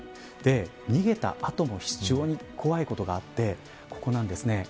逃げたあとも非常に怖いことがあります、ここです。